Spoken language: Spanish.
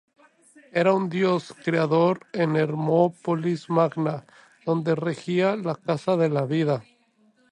Era un dios creador en Hermópolis Magna, donde regía la "Casa de la Vida".